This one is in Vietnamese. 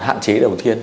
hạn chế đầu tiên